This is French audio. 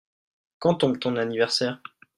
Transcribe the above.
Quand tombe ton anniversaire ?